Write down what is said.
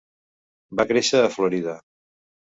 Va créixer a Florida.